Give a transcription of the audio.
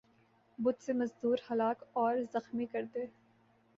ہت سے مزدور ہلاک اور زخمی کر دے